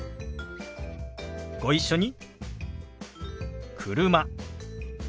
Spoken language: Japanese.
ご一緒に。